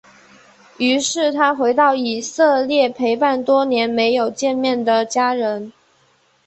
于是他回到以色列陪伴多年没有见面的家人。